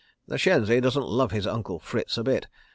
... The shenzi doesn't love his Uncle Fritz a bit.